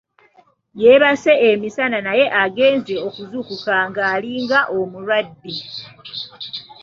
Yeebase emisana naye agenze okuzuukuka ng'alinga omulwadde.